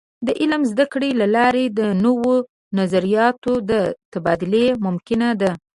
د علم د زده کړې له لارې د نوو نظریاتو د تبادلې ممکنه ده.